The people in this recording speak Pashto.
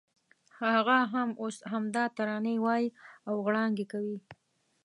هغه هم اوس همدا ترانې وایي او غړانګې کوي.